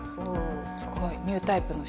すごいニュータイプの人たちだ。